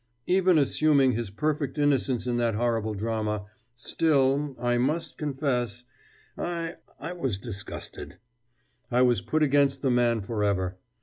Even assuming his perfect innocence in that horrible drama, still, I must confess, I I was disgusted; I was put against the man forever.